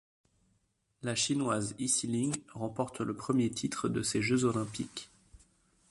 La Chinoise Yi Siling remporte le premier titre de ces Jeux olympiques.